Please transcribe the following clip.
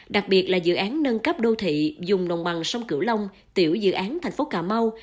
đặc biệt là dự án nâng cấp đô thị dùng nồng bằng sông cửu long tiểu dự án thành phố cà mau